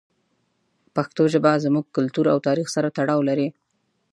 پښتو ژبه زموږ کلتور او تاریخ سره تړاو لري.